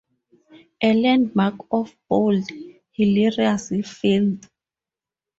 A landmark of bold, hilarious filth.